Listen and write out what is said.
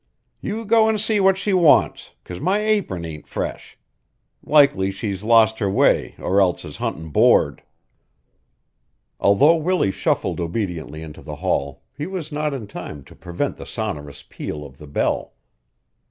You go an' see what she wants, 'cause my apron ain't fresh. Likely she's lost her way or else is huntin' board." Although Willie shuffled obediently into the hall he was not in time to prevent the sonorous peal of the bell.